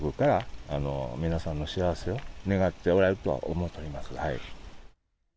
やはり天国から皆さんの幸せを願っておられるとは思っております。